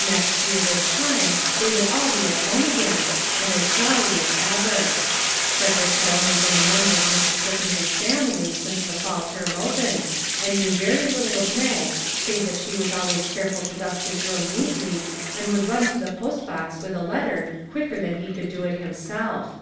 Next year this time they would all be at home again, and as jolly as ever. Frederick had only been a mem ber of Mrs. Perkins's family since the fall term opened, and knew very little of Mag save that she was always careful to dust his room neatly, and would run to the post box with a letter quicker than he could do it himself.